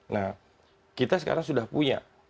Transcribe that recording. nah kita sekarang sudah punya